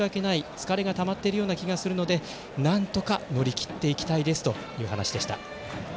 疲れがたまっている気がするのでなんとか乗り切っていきたいですという話でした。